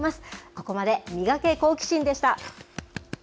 ここまでミガケ好奇心！でした。